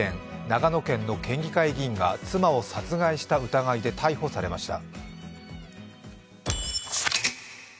長野県の県議会議員が妻を殺害した疑いで逮捕されました。